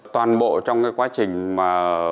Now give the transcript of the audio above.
toàn bộ trong cái quá trình mà